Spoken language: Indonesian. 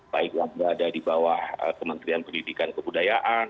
baik yang berada di bawah kementerian pendidikan kebudayaan